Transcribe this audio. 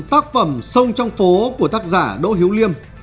tác phẩm sông trong phố của tác giả đỗ hiếu liêm